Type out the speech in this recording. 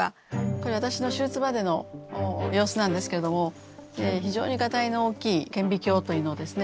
これ私の手術場での様子なんですけれども非常にガタイの大きい顕微鏡というのをですね